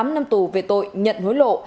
tám năm tù về tội nhận hối lộ